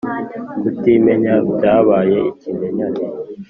kutimenya byabaye ikimenyane